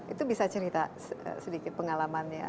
itu bisa cerita sedikit pengalamannya